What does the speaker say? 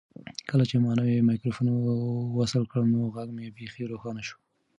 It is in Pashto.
کله چې ما نوی مایکروفون وصل کړ نو غږ مې بیخي روښانه شو.